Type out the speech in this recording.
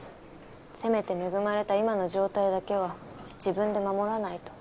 せめて恵まれた今の状態だけは自分で守らないと。